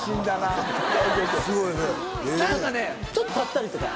ちょっと立ったりとか。